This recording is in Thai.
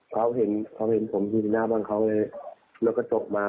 เขาเห็นผมอยู่ที่หน้าบ้านเขาก็เลยลดกระจกมา